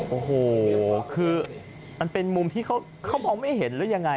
โอ้โหคือมันเป็นมุมที่เขามองไม่เห็นหรือยังไง